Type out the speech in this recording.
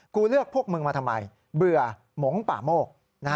กูเลือกพวกมึงมาทำไมเบื่อหมงป่าโมก